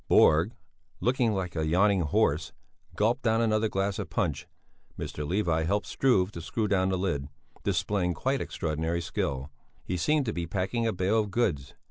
Borg, looking like a yawning horse, gulped down another glass of punch. Mr. Levi helped Struve to screw down the lid, displaying quite extraordinary skill; he seemed to be packing a bale of goods.